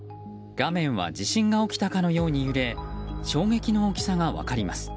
画面は地震が起きたかのように揺れ衝撃の大きさが分かります。